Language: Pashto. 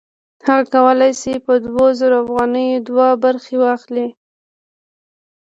هغه کولی شي په دوه زره افغانیو دوه برخې واخلي